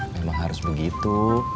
memang harus begitu